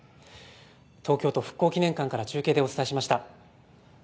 東京都復興記念館から中継でお伝えしました。